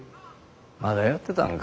まだやってたんか。